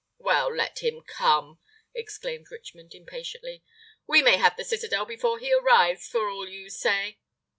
"Well, let him come," exclaimed Richmond, impatiently. "We may have the citadel before he arrives, for all you say."